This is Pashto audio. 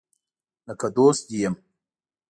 لکه دوست دي یم